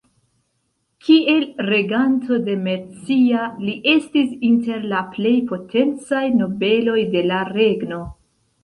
Kiel reganto de Mercia, li estis inter la plej potencaj nobeloj de la regno.